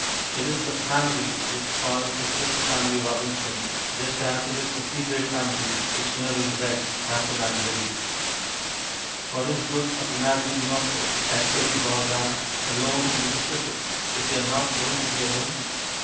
It is the "Family" which spoils The Swiss Family Robinson, just as it is the Seagrave family which nearly wrecks Masterman Ready. What is the good of imagining yourself (as every boy does) "Alone in the Pacific" if you are not going to be alone?